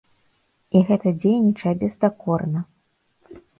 І гэта дзейнічае бездакорна.